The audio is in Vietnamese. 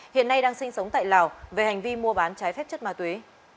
hiện nay đang sinh sống tại lào về hành vi mua bán trái phép chất ma túy